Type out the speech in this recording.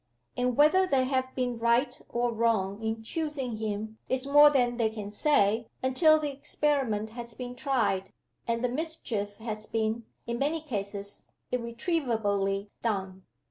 And whether they have been right or wrong in choosing him is more than they can say, until the experiment has been tried, and the mischief has been, in many cases, irretrievably done.